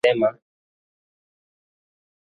msemaji wa ikulu ya marekani robert kibs amesema